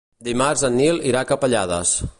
Dimarts en Nil irà a Capellades.